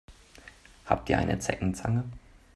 Habt ihr eine Zeckenzange?